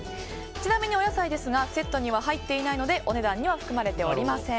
ちなみに、お野菜ですがセットには入っていないのでお値段には含まれていません。